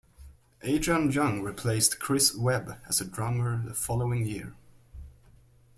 Adrian Young replaced Chris Webb as the drummer the following year.